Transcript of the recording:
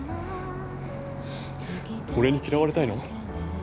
俺に嫌われたいの？